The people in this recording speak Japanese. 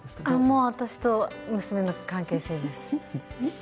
もう私と娘の関係性です。